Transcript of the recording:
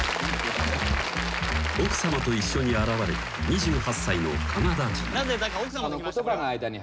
［奥さまと一緒に現れた２８歳のカナダ人］